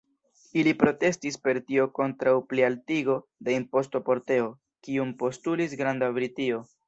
Ili protestis per tio kontraŭ plialtigo de imposto por teo, kiun postulis Granda Britio.